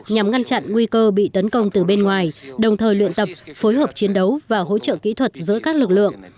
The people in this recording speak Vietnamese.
nhằm ngăn chặn nguy cơ bị tấn công từ bên ngoài đồng thời luyện tập phối hợp chiến đấu và hỗ trợ kỹ thuật giữa các lực lượng